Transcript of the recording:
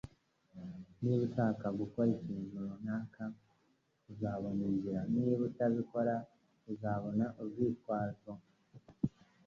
Niba ushaka gukora ikintu runaka, uzabona inzira. Niba utabikora, uzabona urwitwazo. (bart)